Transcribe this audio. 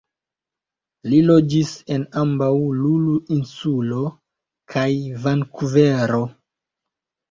Li loĝis en ambaŭ Lulu-insulo kaj Vankuvero.